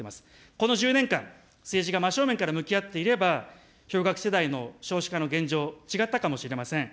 この１０年間、政治が真正面から向き合っていれば、氷河期世代の少子化の現状、違ったかもしれません。